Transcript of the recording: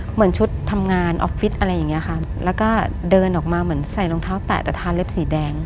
เหมือนชุดทำงานออฟฟิศอะไรอย่างเงี้ยค่ะแล้วก็เดินออกมาเหมือนใส่รองเท้าแตะแต่ทานเล็บสีแดง